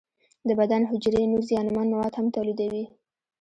د بدن حجرې نور زیانمن مواد هم تولیدوي.